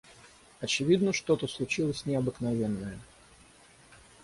Очевидно, что-то случилось необыкновенное.